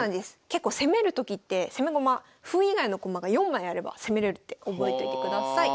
結構攻めるときって攻め駒歩以外の駒が４枚あれば攻めれるって覚えといてください。